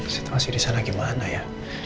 situasi disana gimana ya